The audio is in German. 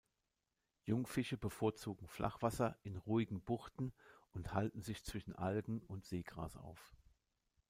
Jungfische bevorzugen Flachwasser in ruhigen Buchten und halten sich zwischen Algen und Seegras auf.